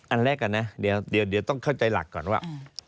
อันแรกก่อนนะเดี๋ยวต้องเข้าใจหลักก่อนว่า